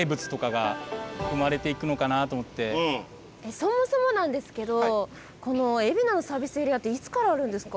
そもそもなんですけどこの海老名のサービスエリアっていつからあるんですか？